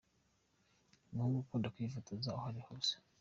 Umuhungu ukunda kwifotoza aho ari hose.